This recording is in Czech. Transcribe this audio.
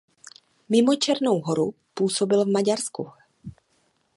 Mimo Černou Horu působil v Maďarsku.